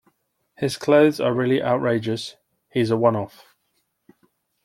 His clothes are really outrageous. He's a one-off